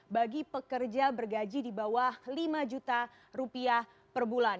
bagi pekerja bergaji di bawah lima juta rupiah per bulan